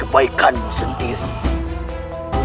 ada yang broker h stationary